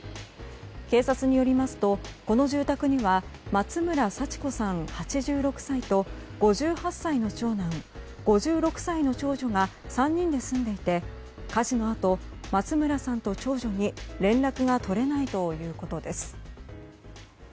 警察によりますとこの住宅には松村幸子さん、８６歳と５８歳の長男、５６歳の長女が３人で住んでいて火事のあと松村さんと長女に連絡が取れないということです。